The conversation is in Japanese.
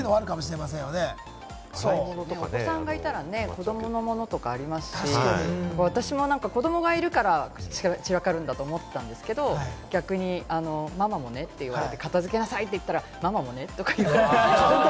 お子さんがいたら子供のものもありますし、私も子供がいるから散らかるんだと思ってたんですけど、逆に「ママもね」って言われて、片付けなさいって言われたら、ママもねって言われて。